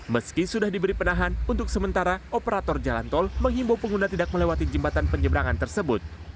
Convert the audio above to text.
meski sudah diberi penahan untuk sementara operator jalan tol menghimbau pengguna tidak melewati jembatan penyeberangan tersebut